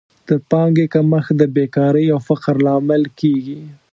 د پانګې کمښت د بېکارۍ او فقر لامل کیږي.